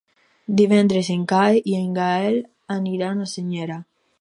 Divendres en Cai i en Gaël aniran a Senyera.